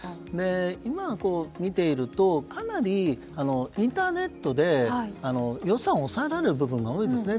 今、見ているとかなりインターネットで予算を抑えられる部分が多いですね。